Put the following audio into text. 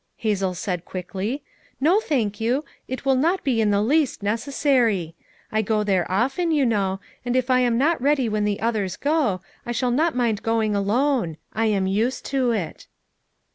Hazel said quickly. "No thank you ; it will not he in the least necessary. I go there often, you know; and if I am not ready when the others go, I shall not mind going alone; I am used to it."